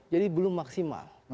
jadi belum maksimal